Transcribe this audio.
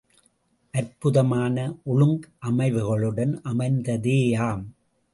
அற்புதமான ஒழுங்கமைவுகளுடன் அமைந்ததேயாம்.